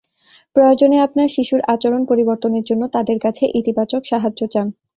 প্রয়োজনে আপনার শিশুর আচরণ পরিবর্তনের জন্য তাদের কাছে ইতিবাচক সাহায্য চান।